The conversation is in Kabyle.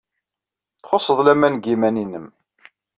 Txuṣṣeḍ laman deg yiman-nnem.